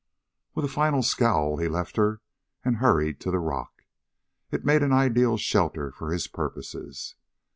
With a final scowl he left her and hurried to the rock. It made an ideal shelter for his purposes.